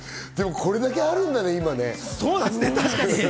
これだけあるんだね、今。